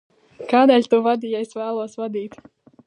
Kādēļ tu vadi, ja es vēlos vadīt?